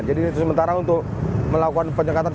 jadi ini sementara untuk melakukan penyekatan